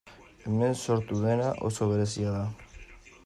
Hemen sortu dena oso berezia da.